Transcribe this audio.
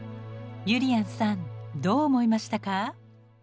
ゆりやんさんどう思いましたか？